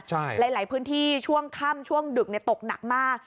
ใช่หลายหลายพื้นที่ช่วงค่ำช่วงดึกเนี่ยตกหนักมาก